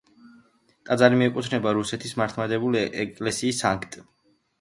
ტაძარი მიეკუთვნება რუსეთის მართლმადიდებელი ეკლესიის სანქტ-პეტერბურგის ეპარქიას.